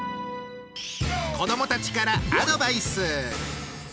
子どもたちからアドバイス。